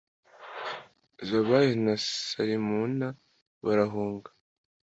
zebahi na salimuna barahunga